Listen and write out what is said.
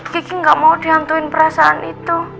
kiki gak mau dihantuin perasaan itu